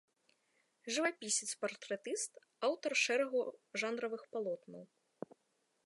Жывапісец-партрэтыст, аўтар шэрагу жанравых палотнаў.